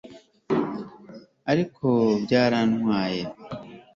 ariko byarantwaye